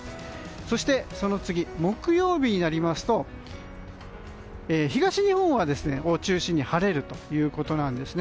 そしてその次木曜日になりますと東日本を中心に晴れるということなんです。